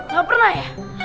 gak pernah ya